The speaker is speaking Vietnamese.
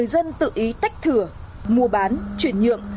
dân tự ý tách thửa mua bán chuyển nhượng